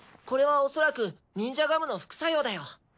これはおそらくニンジャガムの副作用だよ。